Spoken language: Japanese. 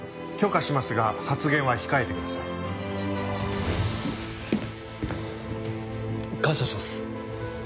許可しますが発言は控えてください。感謝します。